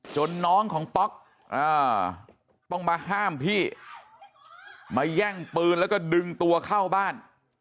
น้องของป๊อกต้องมาห้ามพี่มาแย่งปืนแล้วก็ดึงตัวเข้าบ้าน